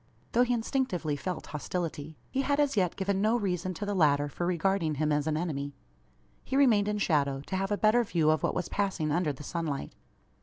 Though he instinctively felt hostility, he had as yet given no reason to the latter for regarding him as an enemy. He remained in shadow, to have a better view of what was passing under the sunlight.